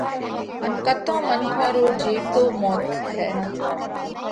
ان ڪتون منکون رو جيوتو موت ٿئھ۔